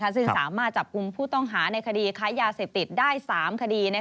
ซึ่งสามารถจับกลุ่มผู้ต้องหาในคดีค้ายาเสพติดได้๓คดี